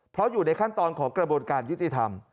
เพราะอยู่ในขั้นตอนของกระบวนการยุติธรรม